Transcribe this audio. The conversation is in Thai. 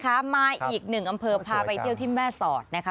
มาอีกหนึ่งอำเภอพาไปเที่ยวที่แม่สอดนะคะ